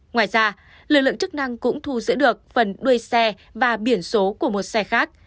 ngoài ra lực lượng chức năng cũng thu giữ được phần đuôi xe và biển số của một xe khác